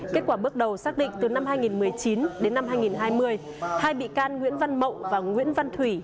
kết quả bước đầu xác định từ năm hai nghìn một mươi chín đến năm hai nghìn hai mươi hai bị can nguyễn văn mậu và nguyễn văn thủy